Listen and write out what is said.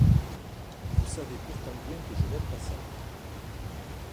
Vous savez pourtant bien que je n'aime pas ça.